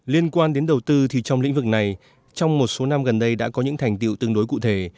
liên quan đến đầu tư thì trong lĩnh vực này trong một số năm gần đây đã có những thành tiệu tương đối cụ thể